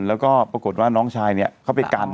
แล้วก็ปรากฏว่าน้องชายเนี่ยเขาไปกัน